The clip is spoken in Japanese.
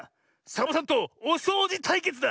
サボさんとおそうじたいけつだ！